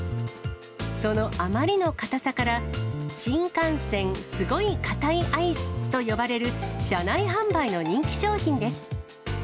そのあまりの固さから、シンカンセンスゴイカタイアイスと呼ばれる車内販売の人気商品です。